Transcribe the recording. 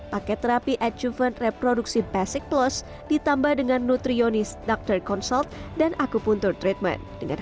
paket terapi acuven reproduksi basic plus ditambah dengan nutrionis doctor consult dan akupuntur treatment